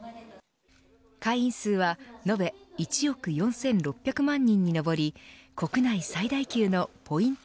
会員数は延べ１億４６００万人に上り国内最大級のポイント